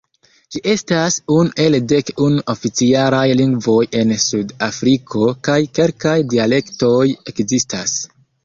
Ĝi estas unu el dek unu oficialaj lingvoj en Sud-Afriko, kaj kelkaj dialektoj ekzistas.